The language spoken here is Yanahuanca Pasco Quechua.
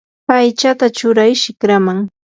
aychata churay shikraman.